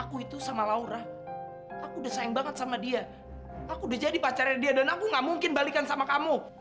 udah jadi pacarnya dia dan aku gak mungkin balikan sama kamu